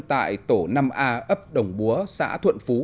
tại tổ năm a ấp đồng búa xã thuận phú